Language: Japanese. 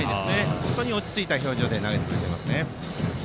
本当に落ち着いた表情で投げています。